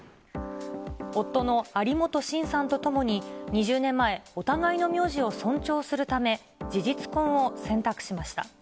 夫の有本信さんと共に２０年前、お互いの名字を尊重するため、事実婚を選択しました。